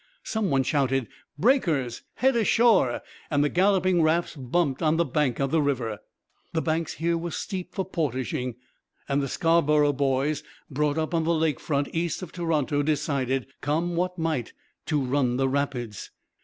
Some one shouted 'Breakers! head ashore!' and the galloping rafts bumped on the bank of the river. The banks here were steep for portaging; and the Scarborough boys, brought up on the lake front, east of Toronto, decided, come what might, to run the rapids.